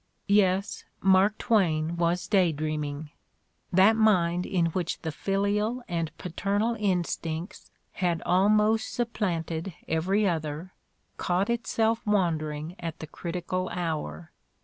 Yes, Mark Twain was day dreaming: that mind in which the filial and paternal instincts had almost supplanted every other caught itself wandering at the critical hour